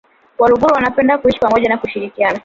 Waluguru wanapenda kuishi pamoja na kushirikiana